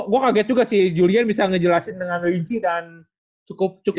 gue kaget juga sih julian bisa ngejelasin dengan rinci dan cukup